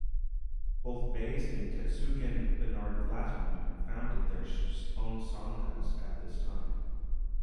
Both Bays and Tetsugen Bernard Glassman founded their own sanghas at this time.